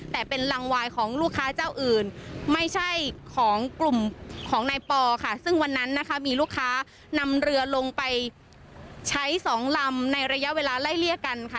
แต่เป็นรังวายของลูกค้าเจ้าอื่นไม่ใช่ของกลุ่มของนายปอค่ะซึ่งวันนั้นนะคะมีลูกค้านำเรือลงไปใช้สองลำในระยะเวลาไล่เลี่ยกันค่ะ